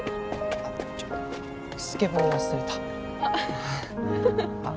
あっちょスケボー忘れたあっ